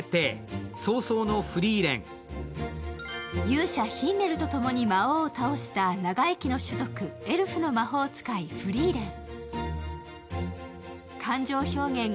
勇者ヒンメルとともに魔王を倒した長生きの種族エルフの魔法使いフリーレン。